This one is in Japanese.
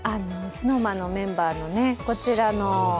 ＳｎｏｗＭａｎのメンバーの、こちらの。